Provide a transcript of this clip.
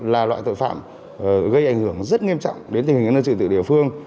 là loại tội phạm gây ảnh hưởng rất nghiêm trọng đến tình hình an ninh trừ tự địa phương